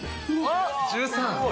１３。